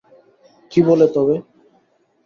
কী বলে তবে?